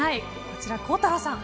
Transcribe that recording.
こちら、孝太郎さん